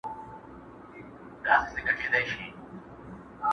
په امان دي له آفته چي په زړه کي مومنان دي؛